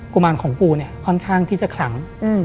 กุมารของปูค่อนข้างที่จะขลัง